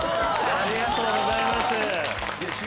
ありがとうございます。